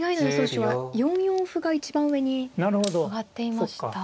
手は４四歩が一番上に挙がっていました。